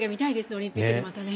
オリンピックで、また。